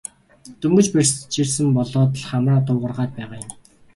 Дөнгөж барьж ирсэн болоод л хамраа дуугаргаад байгаа юм.